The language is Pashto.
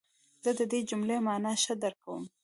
زه د دې جملې مانا ښه درک کوم.